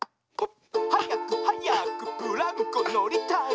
「はやくはやくブランコのりたい」